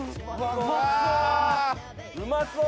・うまそう！